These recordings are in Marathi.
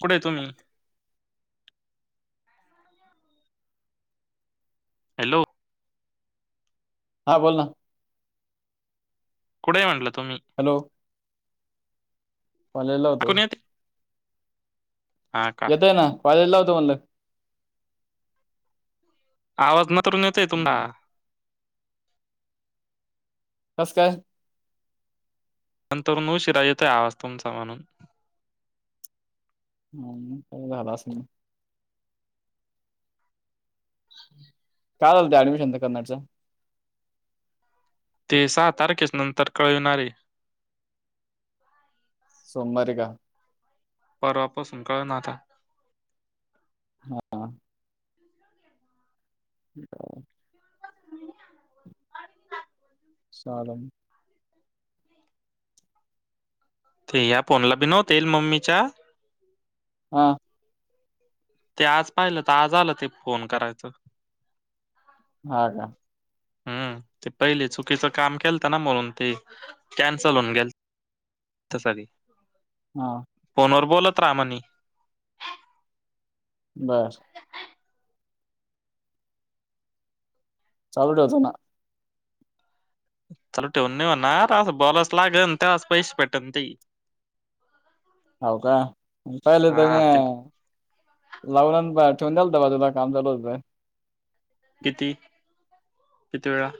कुठे तुम्ही? हॅलो. हां बोल ना. कुे म्हटलं तुम्ही? हॅलो पालेला होतो. ऐकून येते हा का येतय ना कॉलेज ला होतं म्हणलंग. आवाज न तर येतय तुमडा हम्म. तस काय? नंतर न शिराय येत आहे आ वास्तवमचा म्हणून हा का झालाच म का चालत ऍडमिशन तर करण्याचं. ते सहा तारखेच नंतर कळविणारे सोमारी का? पर वापसकाळ नाता हा. ह्. सलेन ते या फोनला बिनो तेल मम्मीच्या हा. ते आज पाहिलं तर आज आलं ते फोन करायचं. हा का? हम्म ते पहिले चुकीच काम केलत ना म्हणून ते कॅन्सल होऊन गेल. तसली. हा. पनोर बोलत रामानी बस. चाल ठे होता ना. चालू ठेवून नाहीणार असं बोलास लागेल त्या पैसे भेटन ते हो का पाहिलं तर हा ते म, लावून ठेवून द्याल तर बाबा तुला काम लू किती? पितळा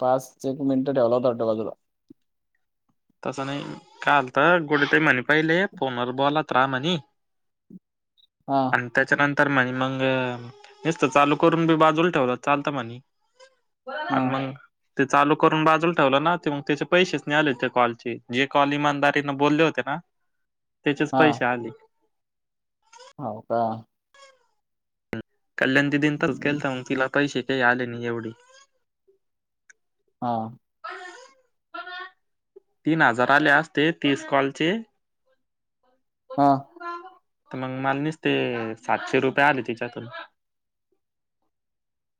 पाच एक मिनिटं ठेवला होता ट्या बाजूला तसं नाही काल तर गोड ते म्हणे पहिले फोनवर बोलात राहा म्हने हा त्याच्यानंतर म्हणे मग नसत चालू करून बी बाजूला ठेवलं चालत म्हणे, आणि हा मग ते चालू करून बाजूला ठेवलं ना ते मग त्याचे पैसेच नाही आले ते कॉल जे कॉल इमानदारीने बोलले होते ना त्याचेच हा पैसे आले. हो का, कल्याण दिदीन तरच हम्म, गेल तर मग तिला पैसे काही आले नाही एवढी हा प तीन हजाराले असते तीस कॉल चे हा तर मग माल नसते सातशे रुपये आले तिच्यातून,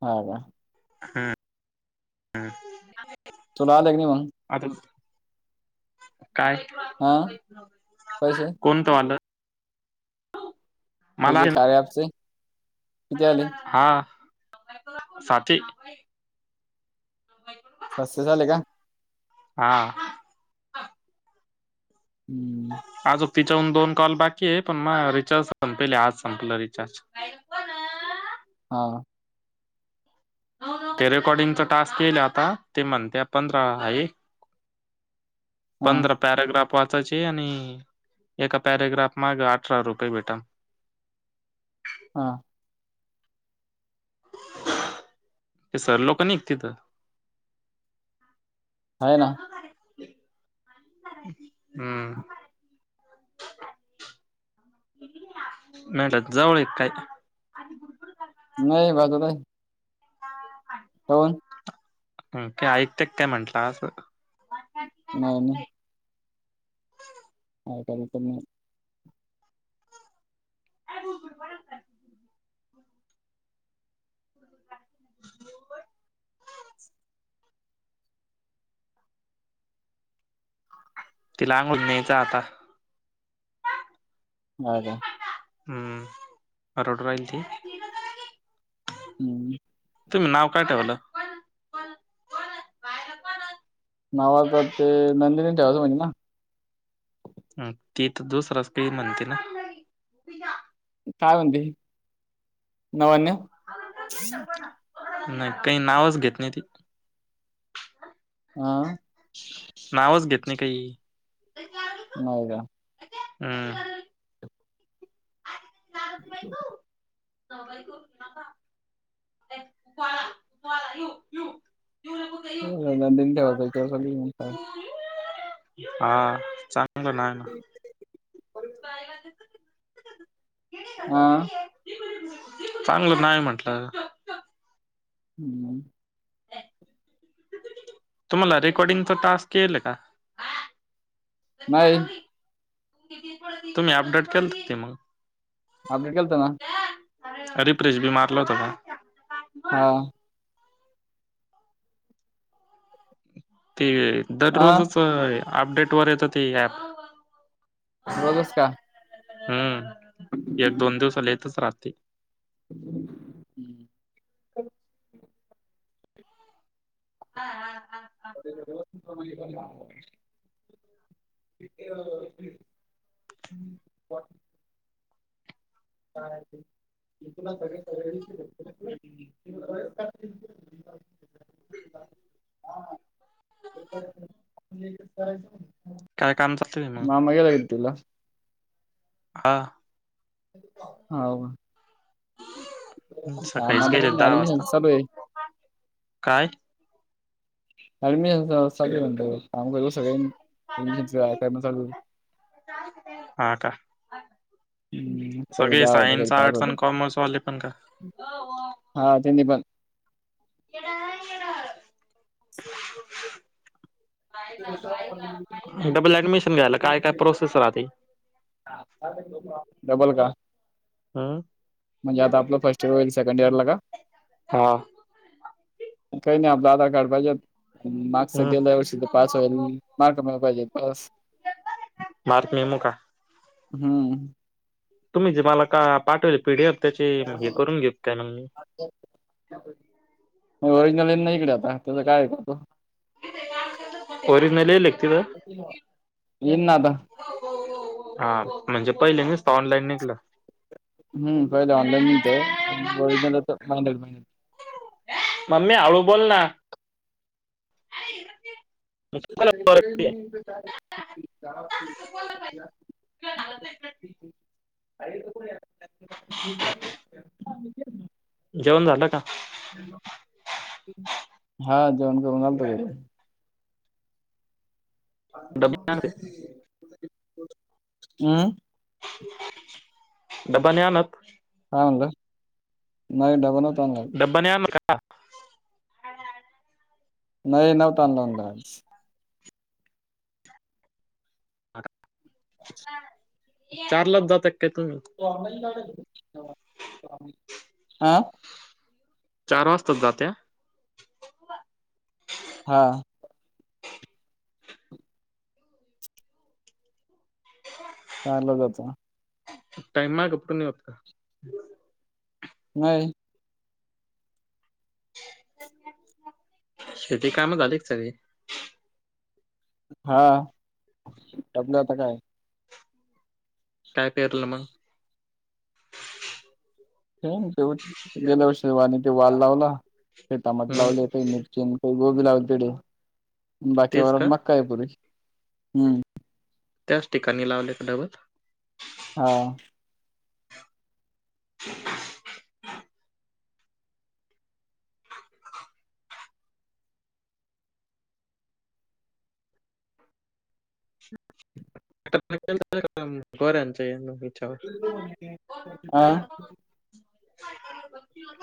हो का हम्म हम्म. तूला आले कि नाही मग, आता काय हा पैसे कोणत आलं. हे मला जे कार्य ॲपचे किती आले हा सा [inaudible] हकम [inaudible] सस्य चाले का. हा हम्म आजोग तिच्याहून दोन कॉल बाकी आहे पण म रिचार्ज संपले आज संपलं रिचार्ज हा ते रेकॉर्डिंगचा टास्क केल आता ते म्हणत पंधरा आहे. हा पंधरा पॅरेग्राफ वाचायची आणि एका पॅरेग्राफ माग अठरा रुपये भेटन. हा ते सर लोक निघ तिथं आहे ना हम्म नाहीटात जवळ एक काय नाही बाजू हो ह काय ऐकत काय म्हंटलं असं. न ना अ का पण [inaudible] अ ब ब [inaudible] तिला आंगळूली न्यायचा आता [inaudible] ह का हम्म रडू राहिल ती, हम् तुम्ही नाव काय ठेवलं? नावा तर ते नंदिनीत ठेवायचं म्हणजे ना, ती तर दुसराच काही म्हणते ना, काय म्हणते नवन्य नाही काही नावच घेत नाही ती हां. नावच घेत नाही काही नाय का? हम्म. हो. सवई करु नाका. [unintelligible] नंदन ठेवायच तिच्यावर सगळं हा चांगलं नाही ना. बाय हां. चांगलं नाही म्हटलं. हम्म. तुम्हांला रेकॉर्डिंगचा टास्क येल का? नाही. तुम्ही अपडेट केलंत ते मग. अपडेट केलत ना. रिप्रेश भी मारल होत का? हां. ते हा दररोजच अपडेट वर येत ते ऍप. रोजस का? हम्म एक, दोन दिवसाला येतच राहते. हम्म. हां हां हां ह [unintelligible] हम्. काय हाय ते? [unintelligible] नीट च करायचं म्हणलं. काय काम चाललंय मग मामा गेलाय हिलतीला. हां. हो. काम सकाळीच आता काही गेलेत नाही दहा ऍडमिशन वाजता. चालू आहे काय? आणि मी सगळे म्हणतो काम कर इमिटेशनच कर ना चालू. हा का हुं सगळे जा होता कइ सायन्स पास आर्ट्स आणि होता. कॉमर्स वाले पण का? हा त्यांनी पण. येड हाय येड. डबल ऍडमिशन घ्यायला काय काय प्रोसेस रहाते? डबल का? हां. म्हणजे आता आपलं फर्स्ट इयर होईल सेकंड इयर ला का? हां. काही नाही आपलं आधार कार्ड पाहिजे. मार्कशीट हम्म. गेल्या वर्षीच पास होईल मार्क मला पाहिजे पास मार्क मेमो का? हुं. तुम्ही जे मला का पाठवेलत पीडीएफ त्याची हे करून घेऊ का काय मग मी. ओरिजनल येईन ना इकडे आता त्याच काय ऐकतो. ओरिजनल आलेलं. इन न आता हा म्हणजे पहिले निस्त ऑनलाईन निघलं. हुं पहिले ऑनलाईन निघत ओरिजिनल येत [unintelligible] मम्मी हळू बोल ना. मग तुम्हाला आहे. [unintelligible] [unintelligible] [unintelligible] जेवण झालं का? हा जेवण करून आलतो. डब्बा आणते हू. डबा नहीं आणत. का म्हणल नाही डबा नहीं आणत. डबा नाही आणत का? नाही नव्हता आणला डबा. का चारलाच जाता का काय तुम्ही हा. चार वाजताच जात्या. हा. चारला जातो. टाइमा कपडून नि होत का? नाही. शेती कामं झाली का सगळी हा आपलं आता काय? काय पेरलं मग? हे तेव गेल्या शेवा आणि ते वाल लावला, ते टमाट हम्म लावले, मिरची आणि गोबी लावून पिढ बाकी तेच व का मका आहे प पुरी हम्म. त्याच ठिकाणी लावले एक ढबल हा. [unintelligible] बरच. आा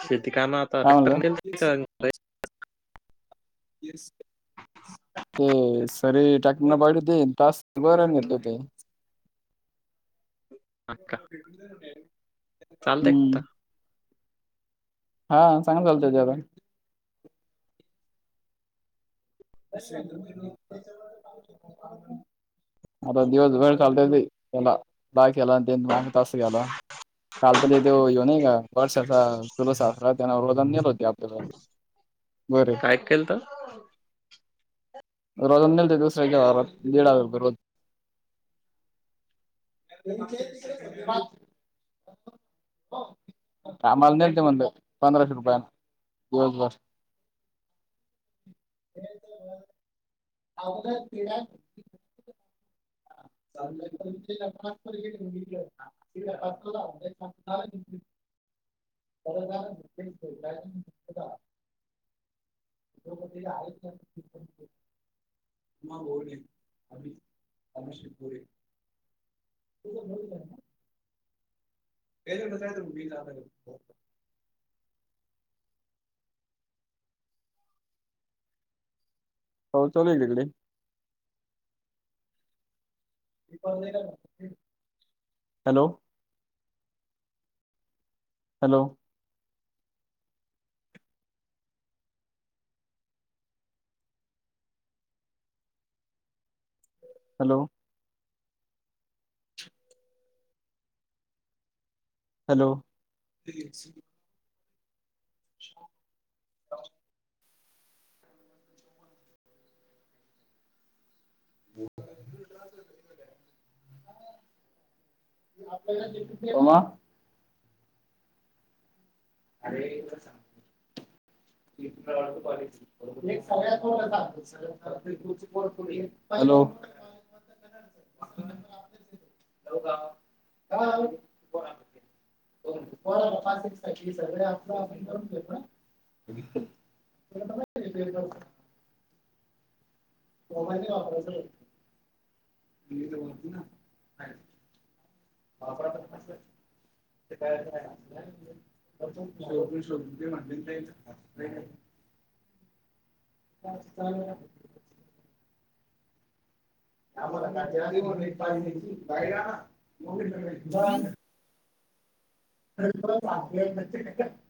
शेती का ना काय आताक्टर म्हणलं का? ये. ते सरी टाकना पाड देईन तास बर घेतलं ते चालतंय हम्म. का हां सांग चालत ते आहे. आता दिवस वेळ चालत ते त्याला बाय केला ते माग तास गेला काल तर ते तो येऊनय का? वर्षाचा तुला साखरा अस त्यांना वद नेल होते. आपल्याला बरे काय केलंत. रोजानं दिलते दुसऱ्याच्या वावरात दीड हजार रूपये रोज [unintelligible] कामाला नेलते म्हणलं पंधराशे रुपया दिवसभर अवघ क्रीडा घलं. ठी आहे. खरची छत्रपतीला आयुष्या ब अभ अश्य पुे [unintelligible] तुझ बोल पले कसाय त बी ला [unintelligible] पाऊस चालू आहे तिकडे हॅलो हॅलो हॅलो हॅलो [unintelligible] हो मा [unintelligible] अरे सां त तुला वाळत कॉलेज [unintelligible] सगळ्यातगळोडीॅ [unintelligible] [unintelligible] [unintelligible] सगळे आप आप करून घेत ना त वापरायचं होत म तर बोलत ना ह पात [unintelligible] ते शोधून ते म्ह नाही ब [unintelligible] त्याला पा [unintelligible] परु [unintelligible]